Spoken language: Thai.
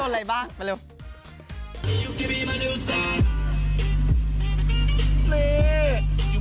น่ากิน